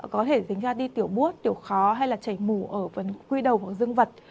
có thể dính ra đi tiểu buế tiểu khó hay là chảy mù ở phần quy đầu của dương vật